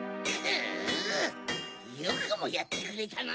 よくもやってくれたな！